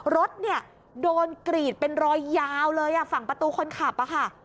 รถเนี่ยโดนกรีดเป็นรอยยาวเลยฝั่งประตูคนขับอะค่ะ